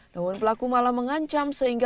namun pelaku malah mengancam